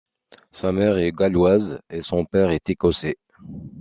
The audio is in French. Sa mère est galloise et son père est écossais.